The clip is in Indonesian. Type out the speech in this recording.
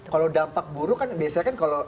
kalau dampak buruk kan biasanya kan kalau